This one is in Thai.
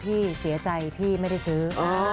พี่เสียใจพี่ไม่ได้ซื้อ